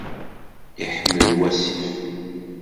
Iḥmel wasif.